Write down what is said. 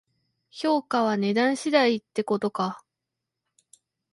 評価は値段次第ってことか